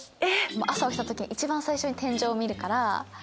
朝起きた時に一番最初に天井見るから。